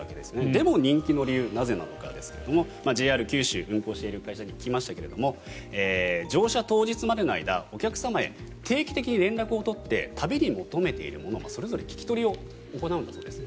でも、人気の理由なぜなのかですがＪＲ九州、運行している会社に聞きましたが乗車当日までの間お客様へ定期的に連絡を取って旅に求めているものをそれぞれ聞き取りを行うんだそうです。